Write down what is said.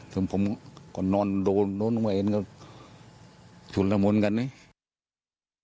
ถึงผมก็นอนโดนไว้ชุดระมวลกันเนี่ย